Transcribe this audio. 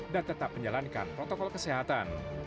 dan tetap menjalankan protokol kesehatan